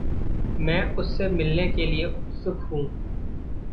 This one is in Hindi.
मैं उससे मिलने के लिए उत्सुक हूँ।